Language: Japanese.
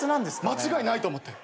間違いないと思って。